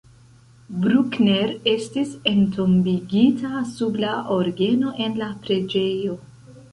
Bruckner estis entombigita sub la orgeno en la preĝejo.